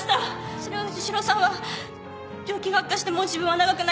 それを藤代さんは「病気が悪化してもう自分は長くない」